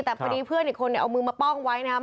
แต่พอดีเพื่อนอีกคนเนี่ยเอามือมาป้องไว้นะครับ